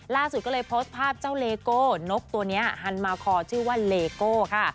ล่าสุดก็เลยโพสต์ภาพเจ้าเลโก้นกตัวนี้ฮันมาคอชื่อว่าเลโก้ค่ะ